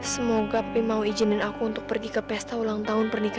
semoga papi mau izinin aku untuk pergi ke pesta ulang tahunnya